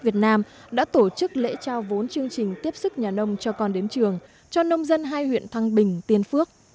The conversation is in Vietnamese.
việt nam đã tổ chức lễ trao vốn chương trình tiếp sức nhà nông cho con đến trường cho nông dân hai huyện thăng bình tiên phước